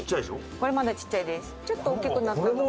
これまだちっちゃいです。